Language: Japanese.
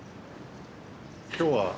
今日は？